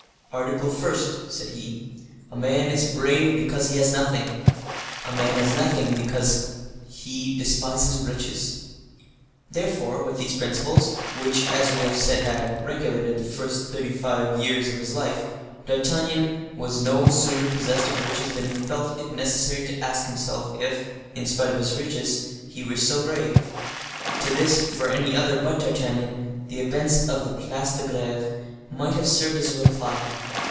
"Article first," said he, "A man is brave because he has nothing. A man has nothing because he despises riches." Therefore, with these principles, which, as we have said, had regulated the thirty five first years of his life, D'Artagnan was no sooner possessed of riches, than he felt it necessary to ask himself if, in spite of his riches, he were still brave. To this, for any other but D'Artagnan, the events of the Place de Greve might have served as a reply.